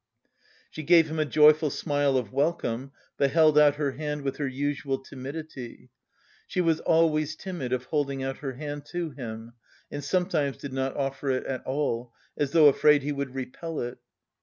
She gave him a joyful smile of welcome, but held out her hand with her usual timidity. She was always timid of holding out her hand to him and sometimes did not offer it at all, as though afraid he would repel it.